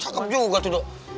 cakep juga tuh do